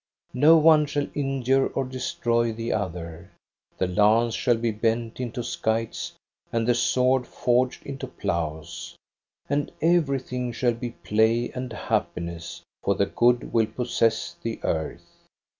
No one shall injure or destroy the other; the lance shall be bent into scythes, and the sword forged into ploughs. And everything shall be play and happiness, for the good will possess the earth.